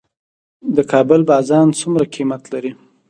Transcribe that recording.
د کابل بازان څومره قیمت لري؟